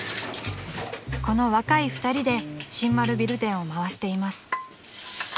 ［この若い２人で新丸ビル店を回しています］